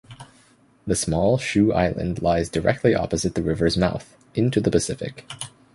The small Shoe Island lies directly opposite the river's mouth, into the Pacific.